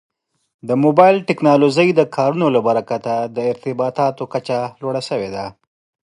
د موبایل ټکنالوژۍ د کارونې له برکته د ارتباطاتو کچه لوړه شوې ده.